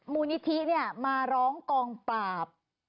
มูลนิธิมาร้องกองปราบ